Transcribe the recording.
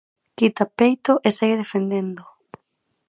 Quita peito e segue defendendo.